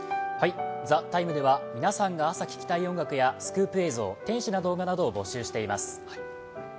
「ＴＨＥＴＩＭＥ，」では皆さんが朝聴きたい音楽やスクープ映像、天使な動画などを募集しています。